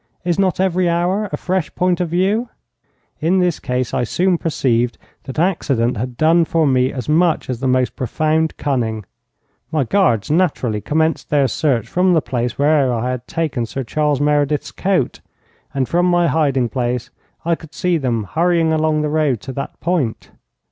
Is not every hour a fresh point of view? In this case I soon perceived that accident had done for me as much as the most profound cunning. My guards naturally commenced their search from the place where I had taken Sir Charles Meredith's coat, and from my hiding place I could see them hurrying along the road to that point.